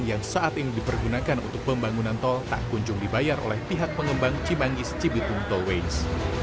yang saat ini dipergunakan untuk pembangunan tol tak kunjung dibayar oleh pihak pengembang cimangis cibitung tol wanges